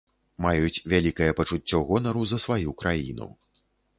Маюць вялікае пачуццё гонару за сваю краіну.